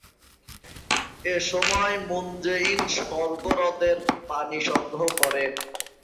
এসময় Moon Jae In স্বর্গ হ্রদের পানি সংগ্রহ করেন।